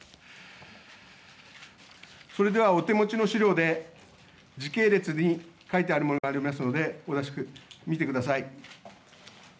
それではお手持ちの資料で時系列に書いてあるものがありますので見てください。